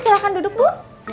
silahkan duduk bu